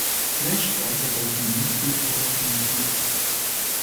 Flashspeicher sollte man nicht defragmentieren.